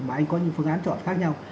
mà anh có những phương án chọn khác nhau